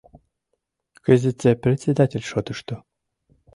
Кызытсе председатель шотышто...